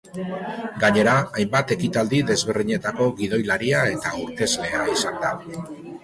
Gainera, hainbat ekitaldi desberdinetako gidoilaria eta aurkezlea izan da.